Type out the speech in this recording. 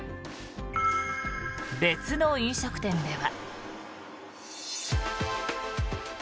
別の飲食店では。